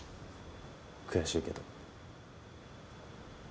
悔しいけど。